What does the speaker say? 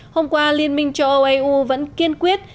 hôm qua liên minh cho oau vẫn kiên quyết